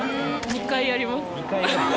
２回あります